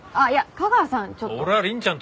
架川さんはちょっと。